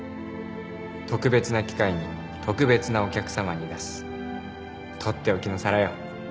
特別な機会に特別なお客様に出す取って置きの皿よ。